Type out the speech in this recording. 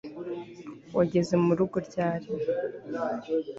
wageze murugo ryari